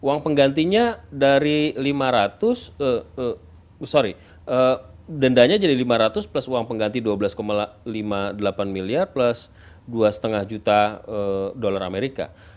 uang penggantinya dari lima ratus sorry dendanya jadi lima ratus plus uang pengganti dua belas lima puluh delapan miliar plus dua lima juta dolar amerika